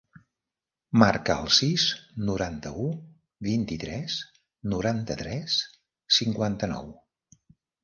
Marca el sis, noranta-u, vint-i-tres, noranta-tres, cinquanta-nou.